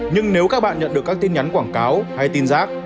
nhưng nếu các bạn nhận được các tin nhắn quảng cáo hay tin giác